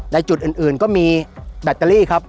ในจุดอื่นก็มีแบตเตอรี่ครับ